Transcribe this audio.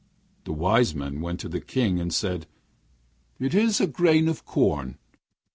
The wise men went to the King, and said: 'It is a grain of corn.'